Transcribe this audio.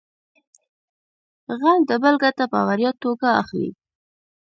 غل د بل ګټه په وړیا توګه اخلي